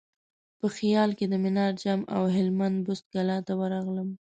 په خیال کې د منار جام او هلمند بست کلا ته ورغلم.